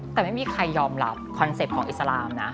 แต่ไม่มีใครยอมรับคอนเซ็ปต์ของอิสลามนะ